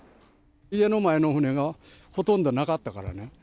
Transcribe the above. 家の前の船が、ほとんどなかったからね。